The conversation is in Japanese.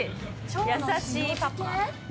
優しいパパ。